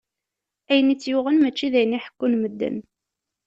Ayen i tt-yuɣen, mačči d ayen i ḥekkun medden.